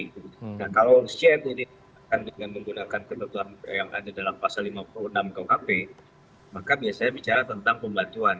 nah kalau ct ini akan dengan menggunakan ketentuan yang ada dalam pasal lima puluh enam kuhp maka biasanya bicara tentang pembantuan